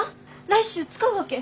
来週使うわけ。